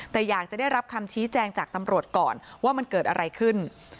แต่อยากจะได้รับคำชี้แจงจากตำรวจก่อนว่ามันเกิดอะไรขึ้น